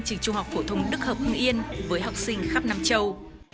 trường trung học phổ thông đức hợp hưng yên với học sinh khắp nam châu